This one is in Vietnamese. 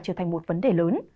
trở thành một vấn đề